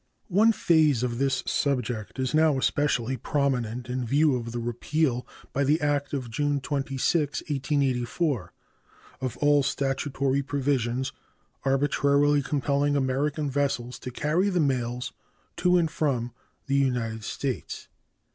One phase of this subject is now especially prominent in view of the repeal by the act of June 26, 1884, of all statutory provisions arbitrarily compelling American vessels to carry the mails to and from the United States.